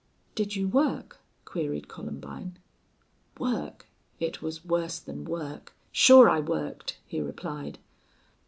"Did you work?" queried Columbine. "Work! It was worse than work.... Sure I worked," he replied.